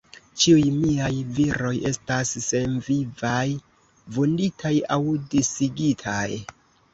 Ĉiuj miaj viroj estas senvivaj, vunditaj aŭ disigitaj.